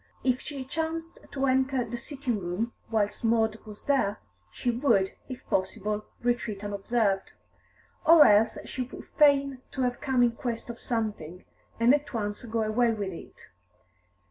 If she chanced to enter the sitting room whilst Maud was there, she would, if possible, retreat unobserved; or else she would feign to have come in quest of something, and at once go away with it.